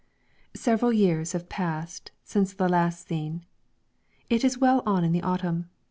Several years have passed since the last scene. It is well on in the autumn.